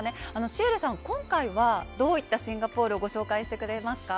シエルさん、今回はどういったシンガポールをご紹介してくれますか。